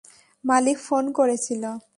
মালিক phone করেছিল।